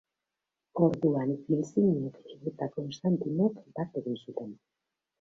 Orduan, Liziniok eta Konstantinok bat egin zuten.